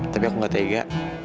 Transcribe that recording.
tapi aku gak tega